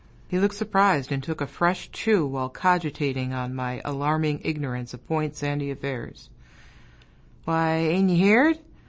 He looked surprised, and took a fresh chew while cogitating on my alarming ignorance of Point Sandy affairs: "Why, ain' ye heared?